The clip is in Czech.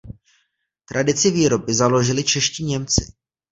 Tradici výroby založili čeští Němci.